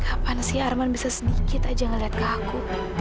kapan sih arman bisa sedikit aja ngeliat ke aku